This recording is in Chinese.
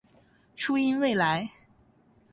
初音未来